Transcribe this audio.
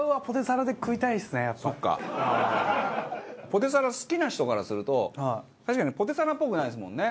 ポテサラ好きな人からすると確かにポテサラっぽくないですもんね。